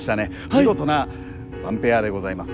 見事なワンペアでございます。